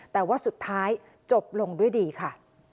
แต่ว่าสุดท้ายจบลงด้วยดีค่ะ